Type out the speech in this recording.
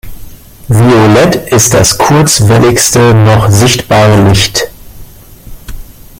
Violett ist das kurzwelligste noch sichtbare Licht.